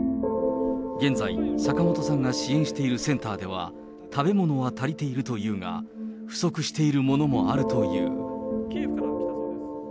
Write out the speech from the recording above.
現在、坂本さんが支援しているセンターでは、食べ物は足りているというが、不足しているものもあるという。